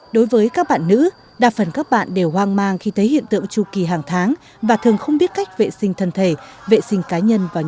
đối với các bạn nữ đa phần các bạn đều hoang mang khi thấy hiện tượng tru kỳ hàng tháng và thường không biết cách vệ sinh thân thể vệ sinh cá nhân và người dân